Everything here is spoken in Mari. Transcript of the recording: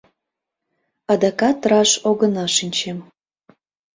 Адакат раш огына шинче.